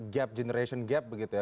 gap generation gap begitu ya